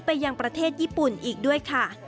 ยังประเทศญี่ปุ่นอีกด้วยค่ะ